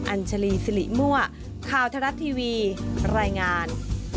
อัญชลีสิริมั่วข่าวทรัฐทีวีรายงาน